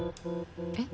えっ？